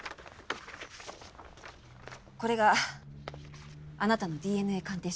これがあなたのＤＮＡ鑑定書です。